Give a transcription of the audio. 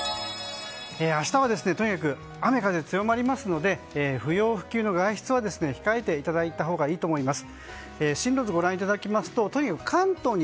明日は、とにかく雨風強まりますので不要不急の外出は控えていただいたほうがいいと思います。